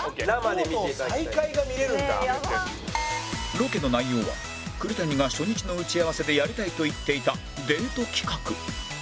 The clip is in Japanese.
ロケの内容は栗谷が初日の打ち合わせでやりたいと言っていたデート企画